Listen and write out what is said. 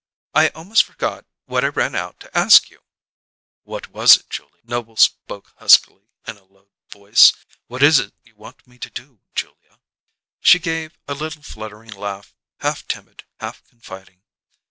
"I almost forgot what I ran out to ask you!" "What was it, Julia?" Noble spoke huskily, in a low voice. "What is it you want me to do, Julia?" She gave a little fluttering laugh, half timid, half confiding.